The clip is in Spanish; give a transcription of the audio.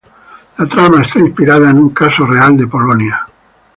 La trama está inspirada en un caso real de Polonia.